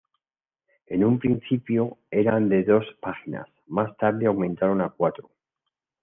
En un principio, eran de dos páginas, más tarde aumentaron a cuatro.